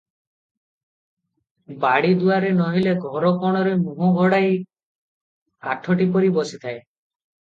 ବାଡ଼ିଦୁଆରେ, ନୋହିଲେ ଘରକୋଣରେ ମୁହଁ ଘୋଡାଇ କାଠଟି ପରି ବସିଥାଏ।